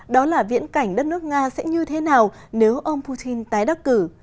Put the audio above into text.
diễn cảnh đất nước nga sẽ như thế nào nếu ông putin tái đắc cử